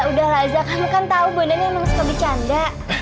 udah lah udah kamu kan tau bondan ini harus kebicanda